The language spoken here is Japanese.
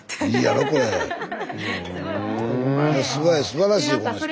すごいすばらしいこの人。